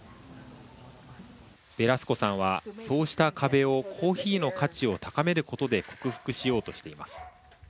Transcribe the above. ベラスコさんは、そうした壁をコーヒーの価値を高めることで克服しようとしています。